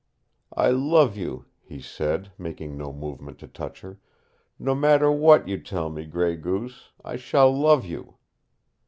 "I love you," he said, making no movement to touch her. "No matter what you tell me, Gray Goose, I shall love you."